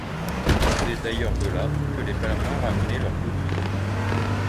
C'est d’ailleurs de là que les pèlerins ramenaient leurs coquilles.